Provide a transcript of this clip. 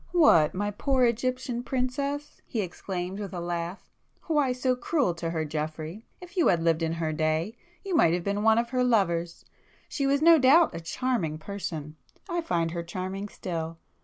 "What, my poor Egyptian princess!" he exclaimed with a laugh—"Why so cruel to her Geoffrey? If you had lived in her day, you might have been one of her lovers! She was no doubt a charming person,—I find her charming still!